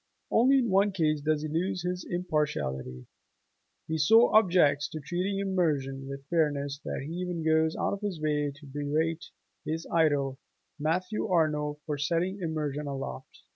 Only in one case does he lose his impartiality: he so objects to treating Emerson with fairness that he even goes out of his way to berate his idol Matthew Arnold for setting Emerson aloft.